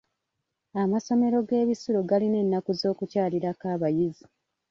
Amasomero g'ebisulo galina ennaku z'okukyalirako abayizi.